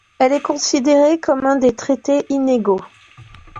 Elle est considérée comme un des traités inégaux.